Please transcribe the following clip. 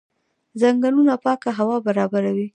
ځنګلونه پاکه هوا برابروي.